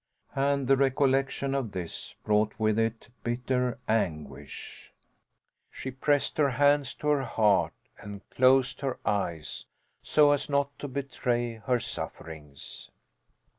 And the recollection of this brought with it bitter anguish; she pressed her hands to her heart and closed her eyes, so as not to betray her sufferings.